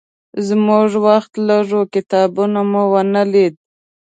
زموږ وخت لږ و، کتابتون مو ونه لید.